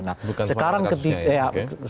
bukan karena kasusnya ya oke